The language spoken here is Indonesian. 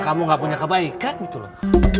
kamu gak punya kebaikan gitu loh